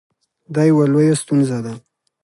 دا یوه لویه ستونزه ده